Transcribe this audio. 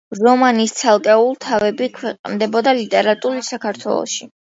რომანის ცალკეულ თავები ქვეყნდებოდა „ლიტერატურულ საქართველოში“.